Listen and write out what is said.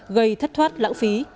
gây thất thoát lãng phí